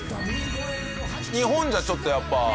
日本じゃちょっとやっぱ。